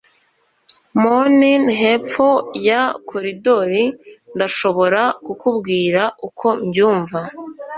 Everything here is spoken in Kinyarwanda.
mornin 'hepfo ya koridoro, ndashobora kukubwira uko mbyumva